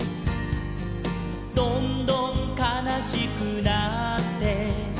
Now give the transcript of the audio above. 「どんどんかなしくなって」